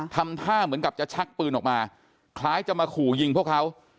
ทำท่าเหมือนกับจะชักปืนออกมาคล้ายจะมาขู่ยิงพวกเขา